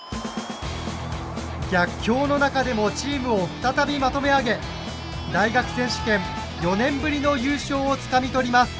逆境の中でもチームを再びまとめ上げ大学選手権４年ぶりの優勝をつかみ取ります。